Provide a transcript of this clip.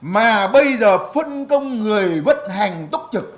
mà bây giờ phân công người vất hành tốc trực